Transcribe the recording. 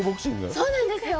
そうなんですよ！